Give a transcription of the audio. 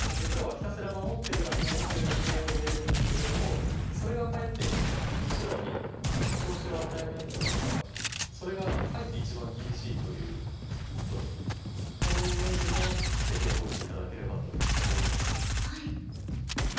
黒はひたすら守ってるだけ守ってるだけのように見えるんですけれどもそれがかえって白に調子を与えないというかそれがかえって一番厳しいというこのイメージもぜひ覚えて頂ければと思います。